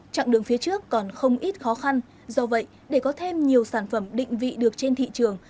trạng đường phía trước còn không ít khó khăn do vậy để có thêm nhiều sản phẩm định vị được trên thị trường